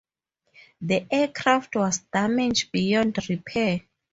The aircraft was damaged beyond repair.